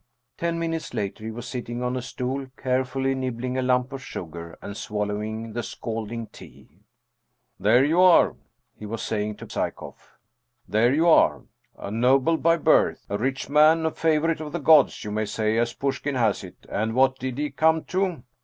Ten minutes later he was sitting on a stool, carefully nibbling a lump of sugar, and swallowing the scalding tea. 158 Anton Chekhoff " There you are !" he was saying to Psyekoff ;" there you are ! A noble by birth ! a rich man a favorite of the gods, you may say, as Pushkin has it, and what did he come to?